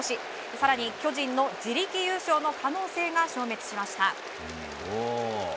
更に巨人の自力優勝の可能性が消滅しました。